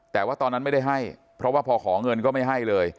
แต่ว่าตอนนั้นไม่ได้ให้เพราะว่าพอขอเงินก็ไม่ให้เลย